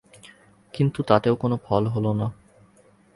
কিন্তু তাতেও কোন ফল হল না।